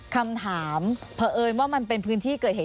คำถามเผอิญว่ามันเป็นพื้นที่เกิดเหตุ